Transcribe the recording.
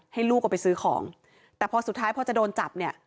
ให้ลูกเอาไปซื้อของแต่พอสุดท้ายพอจะโดนจับเนี่ย